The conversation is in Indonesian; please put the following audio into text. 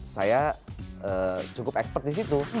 saya cukup expert di situ